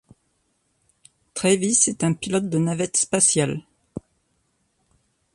Travis est un pilote de navette spatiale.